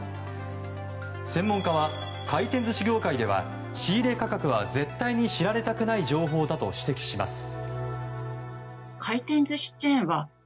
専門家は回転寿司業界では仕入れ価格は絶対に知られたくない情報だと指摘します。